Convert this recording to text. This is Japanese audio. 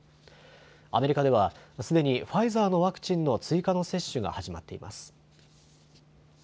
アメリカではすでにファイザーのワクチンの追加の接種が始まっています。